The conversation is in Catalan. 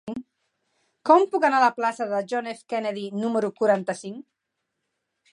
Com puc anar a la plaça de John F. Kennedy número quaranta-cinc?